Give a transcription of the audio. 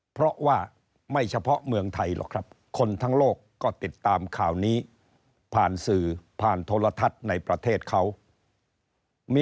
เพราะว่าไม่เฉพาะเมืองไทยหรอกครับ